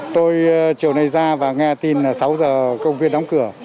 tôi chiều nay ra và nghe tin là sáu h công viên đóng cửa